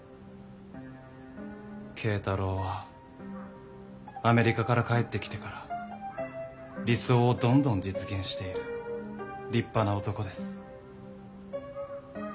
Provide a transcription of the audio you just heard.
慶太朗はアメリカから帰ってきてから理想をどんどん実現している立派な男です。